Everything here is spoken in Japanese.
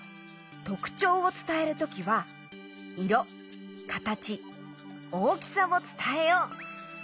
とくちょうをつたえるときはいろかたち大きさをつたえよう。